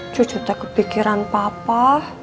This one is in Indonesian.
cu cu teh kepikiran papa